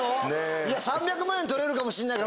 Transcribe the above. ３００万円取れるかもしれないから。